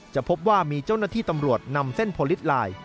จะพบว่ามีเจ้าหน้าที่ตำรวจนำเส้นโพลิสไลน์